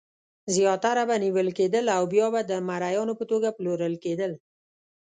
زیاتره به نیول کېدل او بیا د مریانو په توګه پلورل کېدل.